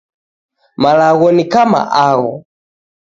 Malagho ni kama agho.